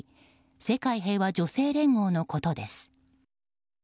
世界平和女性連合のことです。